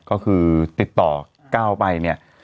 ก็คือติดต่อก้าวไปเนี่ย